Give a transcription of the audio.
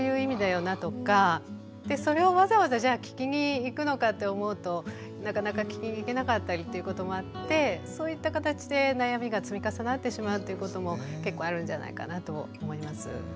それをわざわざじゃあ聞きに行くのかって思うとなかなか聞きに行けなかったりっていうこともあってそういった形で悩みが積み重なってしまうっていうことも結構あるんじゃないかなと思います。